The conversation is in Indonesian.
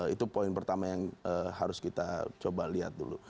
itu poin pertama yang harus kita coba lihat dulu